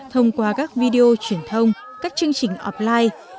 thông qua các video truyền thông các chương trình offline